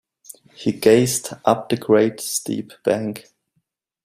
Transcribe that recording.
He gazed up the great steep bank.